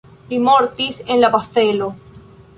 Li mortis la en Bazelo.